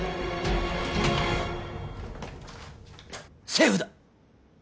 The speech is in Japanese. セーフだ！